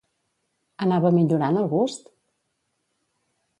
Anava millorant el gust?